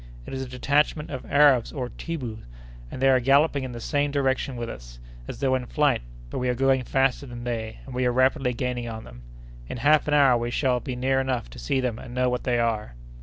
It is a detachment of Arabs or Tibbous, and they are galloping in the same direction with us, as though in flight, but we are going faster than they, and we are rapidly gaining on them. In half an hour we shall be near enough to see them and know what they are."